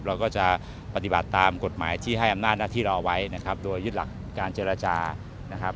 เราก็จะปฏิบัติตามกฎหมายที่ให้อำนาจหน้าที่เราเอาไว้นะครับโดยยึดหลักการเจรจานะครับ